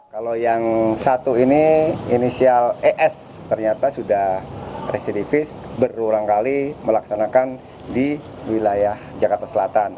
kalau yang satu ini inisial es ternyata sudah residivis berulang kali melaksanakan di wilayah jakarta selatan